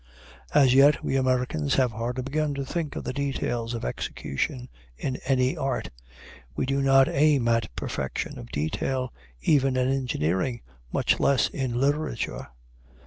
As yet, we Americans have hardly begun to think of the details of execution in any art. We do not aim at perfection of detail even in engineering, much less in literature.